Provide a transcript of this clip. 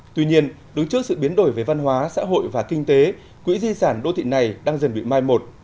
tuy nhiên đứng trước sự biến đổi về văn hóa xã hội và kinh tế quỹ di sản đô thị này đang dần bị mai một